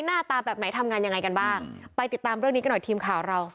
หน้าตาแบบไหนทำงานยังไงกันบ้างไปติดตามเรื่องนี้กันหน่อยทีมข่าวเรา